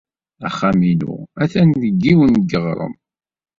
Axxam-inu atan deg yiwen n yiɣrem.